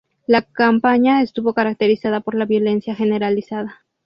La campaña estuvo caracterizada por la violencia generalizada.